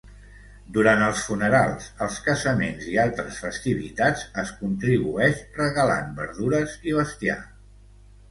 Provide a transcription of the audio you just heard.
Durant els funerals, els casaments i altres festivitats es contribueix regalant verdures i bestiar.